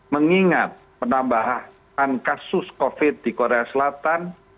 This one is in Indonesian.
mengingat penambahan kasus covid di korea selatan